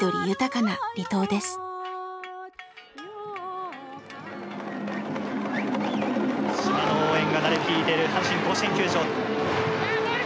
「島の応援が鳴り響いている阪神甲子園球場」。